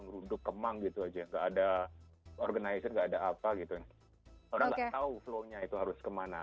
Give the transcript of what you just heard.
ngeruduk kemang gitu aja gak ada organizer gak ada apa gitu orang gak tau flow nya itu harus kemana